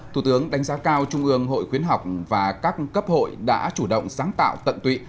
thủ tướng đánh giá cao trung ương hội khuyến học và các cấp hội đã chủ động sáng tạo tận tụy